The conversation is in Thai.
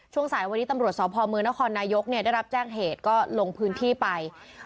ช่วงสายวันนี้ตำรวจสอบภอมือนครนายกเนี่ยได้รับแจ้งเหตุก็ลงพื้นที่ไป